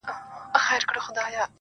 تنکی رويباره له وړې ژبي دي ځارسم که نه.